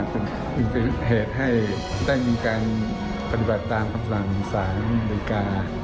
เป็นเหตุให้ได้มีการปฏิบัติตามคำสั่งสารในรายการ